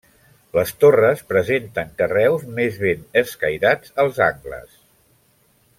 Les torres presenten carreus més ben escairats als angles.